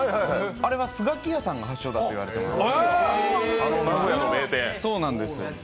あれは、寿すがきやさんが発祥だとも言われています。